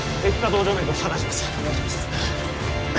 お願いします